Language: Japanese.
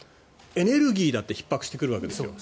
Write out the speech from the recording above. エネルギーだってひっ迫してくるわけですよ。